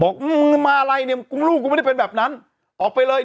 มึงมาอะไรเนี่ยกูลูกกูไม่ได้เป็นแบบนั้นออกไปเลย